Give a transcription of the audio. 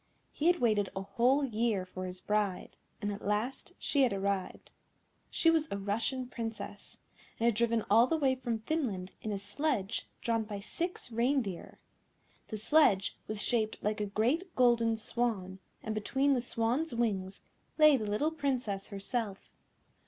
He had waited a whole year for his bride, and at last she had arrived. She was a Russian Princess, and had driven all the way from Finland in a sledge drawn by six reindeer. The sledge was shaped like a great golden swan, and between the swan's wings lay the little Princess herself.